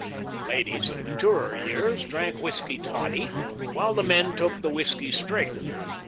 The ladies of maturer years drank whiskey toddy, while the men took the whiskey straight.